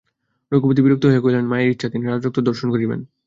রঘুপতি বিরক্ত হইয়া কহিলেন, মায়ের ইচ্ছা, তিনি রাজরক্ত দর্শন করিবেন।